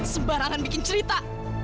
sembarangan bikin cerita